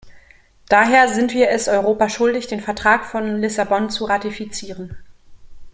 Daher sind wir es Europa schuldig, den Vertrag von Lissabon zu ratifizieren.